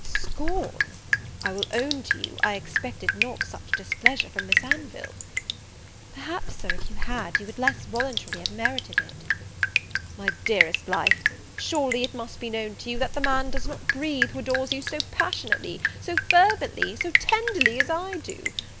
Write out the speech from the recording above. "Scorn! I will own to you, I expected not such displeasure from Miss Anville." "Perhaps, Sir, if you had, you would less voluntarily have merited it." "My dearest life, surely it must be known to you, that the man does not breathe who adores you so passionately, so fervently, so tenderly as I do!